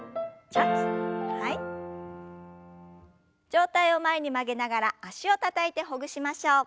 上体を前に曲げながら脚をたたいてほぐしましょう。